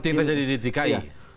jadi ini kita jadi di dki